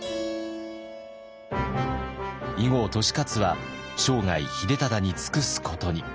以後利勝は生涯秀忠に尽くすことに。